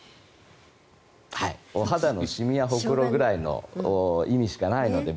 お肌のシミやホクロぐらいの意味しかないので。